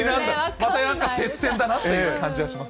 また接戦だなって感じはします。